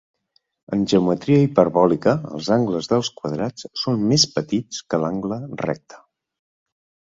En geometria hiperbòlica, els angles dels quadrats són més petits que l'angle recte.